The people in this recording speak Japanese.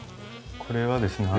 これはですね